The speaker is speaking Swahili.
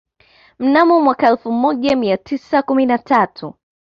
Mnamo mwaka wa elfu moja mia tisa kumi na tatu